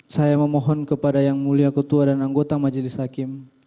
saya memohon kepada yang mulia ketua dan anggota majelis hakim